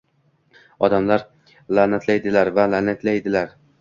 Odamlar la'natlaydilar va la'natlaydilar